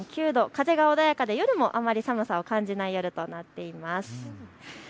風が穏やかで夜もあまり寒さを感じない夜となっています。